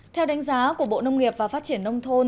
theo đánh giá của bộ nông nghiệp và phát triển nông thôn